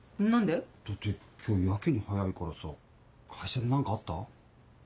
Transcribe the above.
だって今日やけに早いからさ会社で何かあった？